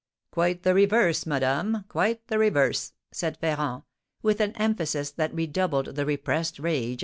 "Quite the reverse, madame, quite the reverse," said Ferrand, with an emphasis that redoubled the repressed rage of M.